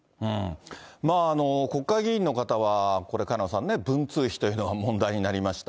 国会議員の方は、これ、萱野さんね、文通費というのが問題になりました。